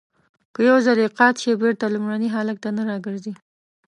که یو ځلی قات شي بېرته لومړني حالت ته نه را گرځي.